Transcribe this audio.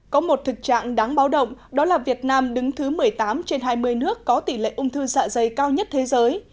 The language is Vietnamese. có một thực trạng đáng báo động đó là việt nam đứng thứ một mươi tám trên hai mươi nước có tỷ lệ ung thư dạ dây cao nhất thế giới